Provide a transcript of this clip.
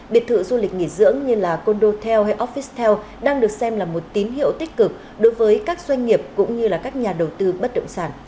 biệt thự du lịch nghỉ dưỡng như là condotel hay offistel đang được xem là một tín hiệu tích cực đối với các doanh nghiệp cũng như các nhà đầu tư bất động sản